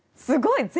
すごい！